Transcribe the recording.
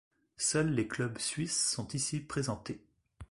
Seuls les clubs suisses sont ici présentés.